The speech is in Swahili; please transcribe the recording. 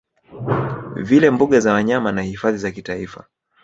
vile mbuga za wanyama na Hifadhi za kitaifa